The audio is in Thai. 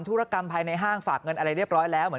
จะรั่วเลย